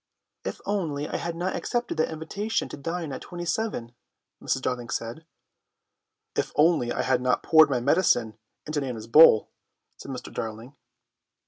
"If only I had not accepted that invitation to dine at 27," Mrs. Darling said. "If only I had not poured my medicine into Nana's bowl," said Mr. Darling.